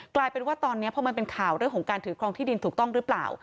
กลายเป็นว่าตอนนี้พอมันเป็นข่าวเรื่องของการถือครองที่ดินถูกต้องหรือเปล่า